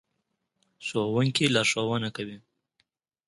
ښوونکي لارښوونه کوي.